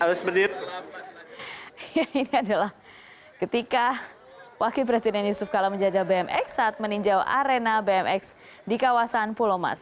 ini adalah ketika wakil presiden yusuf kala menjajah bmx saat meninjau arena bmx di kawasan pulau mas